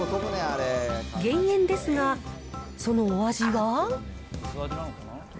減塩ですが、そのお味は？